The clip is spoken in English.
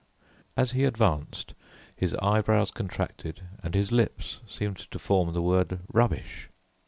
As he advanced his, eyebrows contracted, and his lips seemed to form the word "rubbish."